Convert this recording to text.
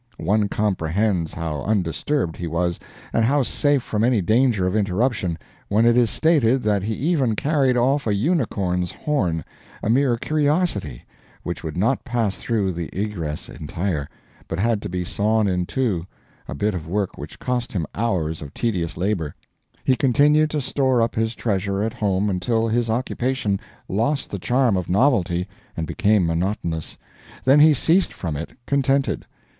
One comprehends how undisturbed he was, and how safe from any danger of interruption, when it is stated that he even carried off a unicorn's horn a mere curiosity which would not pass through the egress entire, but had to be sawn in two a bit of work which cost him hours of tedious labor. He continued to store up his treasures at home until his occupation lost the charm of novelty and became monotonous; then he ceased from it, contented.